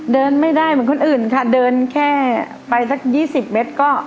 เดินไม่ได้เหมือนคนอื่นค่ะเดินแค่ไปสัก๒๐เมตรก็